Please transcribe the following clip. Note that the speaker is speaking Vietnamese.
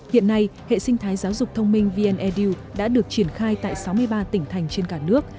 hiện nay hệ sinh thái giáo dục thông minh vn edu đã được triển khai tại sáu mươi ba tỉnh thành trên cả nước